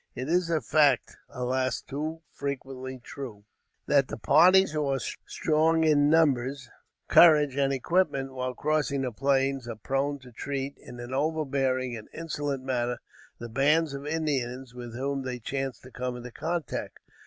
It is a fact alas too frequently true that the parties who are strong in numbers, courage, and equipment, while crossing the plains, are prone to treat, in an overbearing and insolent manner, the bands of Indians with whom they chance to come into contact.